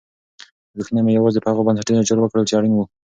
لګښتونه مې یوازې په هغو بنسټیزو چارو وکړل چې اړین وو.